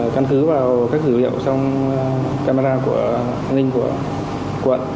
căn cứ vào các dữ liệu trong camera của an ninh của quận